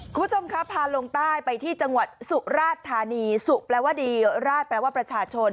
คุณผู้ชมครับพาลงใต้ไปที่จังหวัดสุราชธานีสุแปลว่าวดีราชแปลว่าประชาชน